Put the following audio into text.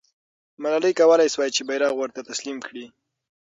ملالۍ کولای سوای چې بیرغ ورته تسلیم کړي.